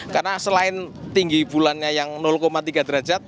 karena selain tinggi bulannya yang tiga derajat